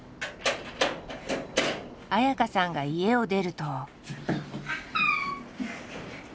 綾香さんが家を出ると。